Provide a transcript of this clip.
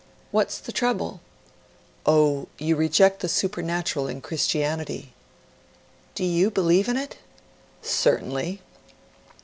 P. "What's the trouble?" ..,' F. " Oh, you reject the supernatural in Christianity." P. "Do you believe in it?" F. "Certainly."